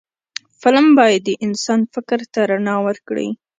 فلم باید د انسان فکر ته رڼا ورکړي